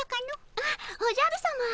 あっおじゃるさま。